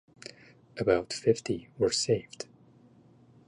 About fifty were saved.